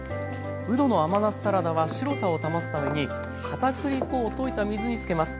うどの甘夏サラダは白さを保つためにかたくり粉を溶いた水につけます。